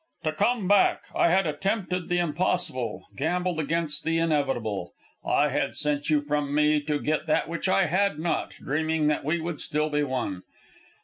"To come back. I had attempted the impossible, gambled against the inevitable. I had sent you from me to get that which I had not, dreaming that we would still be one.